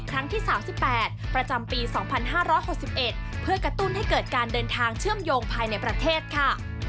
ครั้งที่๓๘ประจำปี๒๕๖๑เพื่อกระตุ้นให้เกิดการเดินทางเชื่อมโยงภายในประเทศค่ะ